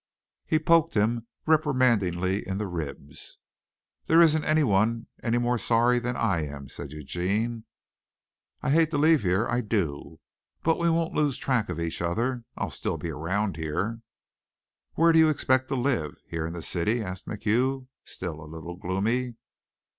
He poked him reprimandingly in the ribs. "There isn't anyone any more sorry than I am," said Eugene. "I hate to leave here, I do. But we won't lose track of each other. I'll still be around here." "Where do you expect to live? Here in the city?" asked MacHugh, still a little gloomy.